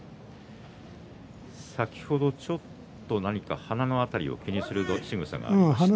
先ほど、ちょっと何か鼻の辺りを気にするしぐさがありました。